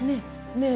ねえ